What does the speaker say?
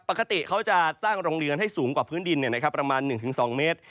ปกติเขาจะสร้างโรงเรือนให้สูงกว่าพื้นดินประมาณ๑๒เมตร